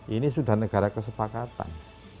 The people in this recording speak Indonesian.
ini sudah negara kesepakatan